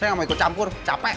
saya gak mau ikut campur capek